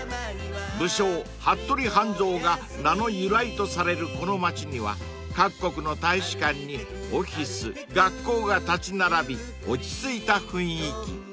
［武将服部半蔵が名の由来とされるこの街には各国の大使館にオフィス学校が立ち並び落ち着いた雰囲気］